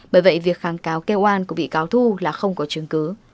bởi vậy việc kháng cáo kêu oan của bị cáo thu là không có chứng cứ